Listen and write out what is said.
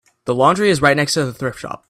The laundry is right next to the thrift shop.